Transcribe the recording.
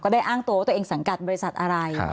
ก็ได้อ้างโตว่าตัวเองสั่งการบริษัทอะไร